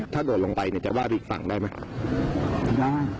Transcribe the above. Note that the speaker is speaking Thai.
ถ้าโดดลงไปเนี่ยจะว่าอีกฝั่งได้ไหม